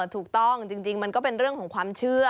ถูกต้องจริงมันก็เป็นเรื่องของความเชื่อ